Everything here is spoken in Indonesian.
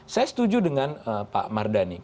saya setuju dengan pak mardhani